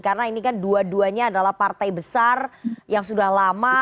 karena ini kan dua duanya adalah partai besar yang sudah lama